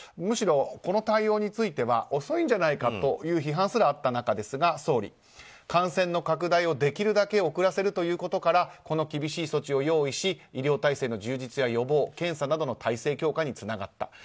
むしろ、この対応については遅いんじゃないかという批判すらありましたが、総理感染拡大をできるだけ遅らせるということからこの厳しい措置を用意し医療体制の充実や予防検査などの体制強化につながった。